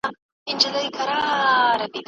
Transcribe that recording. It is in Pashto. افغان کارګران د پوره قانوني خوندیتوب حق نه لري.